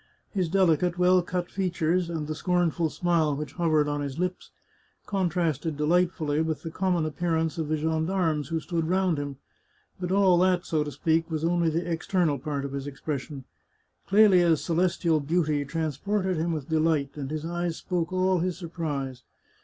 His delicate, well cut fea tures, and the scornful smile which hovered on his lips, contrasted delightfully with the common appearance of the gendarmes who stood round him. But all that, so to speak, was only the external part of his expression. Clelia's celes tial beauty transported him with delight, and his eyes spoke all his surprise.